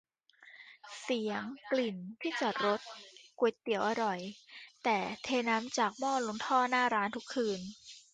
เสียง กลิ่น ที่จอดรถ ก๋วยเตี๋ยวอร่อยแต่เทน้ำจากหม้อลงท่อหน้าร้านทุกคืน